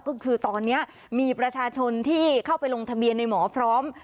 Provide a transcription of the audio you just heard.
ก็คือตอนนี้มีประชาชนที่เข้าไปลงทะเบียนในหมอพร้อม